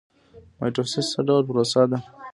مایټوسیس څه ډول پروسه ده؟